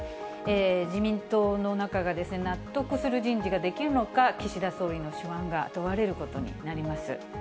自民党の中が、納得する人事ができるのか、岸田総理の手腕が問われることになります。